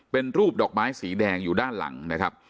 เป็นรูปดอกไม้สีแดงอยู่ด้านหลังนะครับ